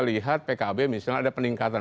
lihat pkb misalnya ada peningkatan